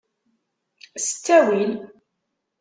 S ttawil!